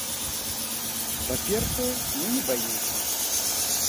Па-першае, мы не баімся.